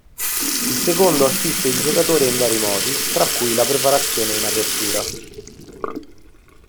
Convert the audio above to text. Il secondo assiste il giocatore in vari modi, tra cui la preparazione in apertura.